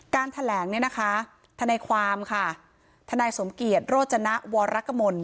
แถลงเนี่ยนะคะทนายความค่ะทนายสมเกียจโรจนะวรกมล